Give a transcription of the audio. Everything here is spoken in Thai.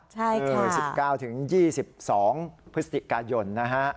ใช่ค่ะ๑๙๒๒พฤศติกิการยนต์นะฮะ